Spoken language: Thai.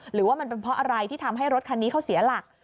หรือว่ามันเป็นเพราะอะไรที่ทำให้รถคันนี้เขาเสียหลัก